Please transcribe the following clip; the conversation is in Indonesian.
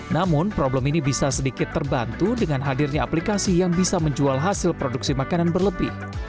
namun problem ini bisa sedikit terbantu dengan hadirnya aplikasi yang bisa menjual hasil produksi makanan berlebih